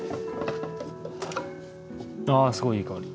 ああすごいいい香り。